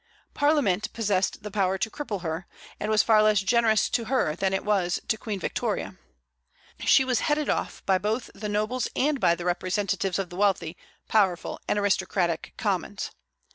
Parliament possessed the power to cripple her, and was far less generous to her than it was to Queen Victoria. She was headed off both by the nobles and by the representatives of the wealthy, powerful, and aristocratic Commons.